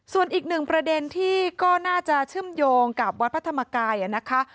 ส่วนอีกหนึ่งประเด็นที่ก็น่าจะเชื่อมโยงกับวัดพระธรรมกายนะคะ